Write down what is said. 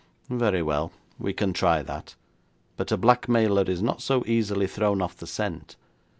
'Very well, we can try that, but a blackmailer is not so easily thrown off the scent.